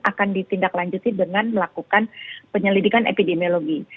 akan ditindaklanjuti dengan melakukan penyelidikan epidemiologi